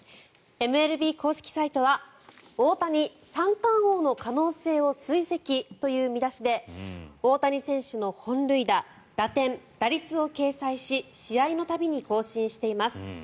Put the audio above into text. ＭＬＢ公式サイトは大谷、三冠王の可能性を追跡という見出しで大谷選手の本塁打、打点、打率を掲載し試合の度に更新しています。